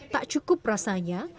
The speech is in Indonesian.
tak cukup rasanya